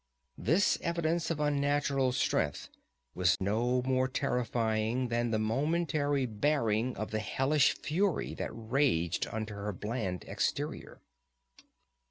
This evidence of unnatural strength was no more terrifying than the momentary baring of the hellish fury that raged under her bland exterior.